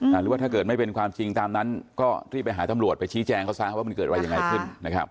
หรือว่าถ้าเกิดไม่เป็นความจริงตามนั้นก็รีบไปหาตำรวจไปชี้แจงเขาซะว่ามันเกิดอะไรยังไงขึ้นนะครับ